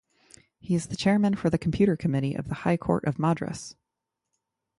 He is the Chairman for the Computer Committee of the High Court of Madras.